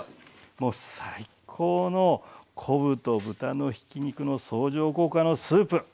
もう最高の昆布と豚のひき肉の相乗効果のスープ！